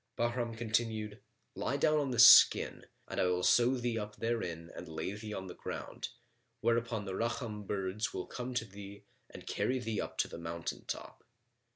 Bahram continued, "Lie down on this skin and I will sew thee up therein and lay thee on the ground; whereupon the Rakham birds[FN#32] will come to thee and carry thee up to the mountain top.